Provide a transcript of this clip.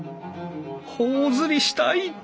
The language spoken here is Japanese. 頬ずりしたい！